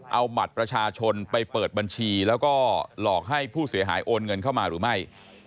เอาบัตรประชาชนไปเปิดบัญชีแล้วก็หลอกให้ผู้เสียหายโอนเงินเข้ามาหรือไม่